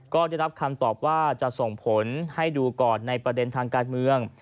ก็ได้รับคำตอบว่าจะส่งผลให้ดูก่อนในประเด็นทางการเมือง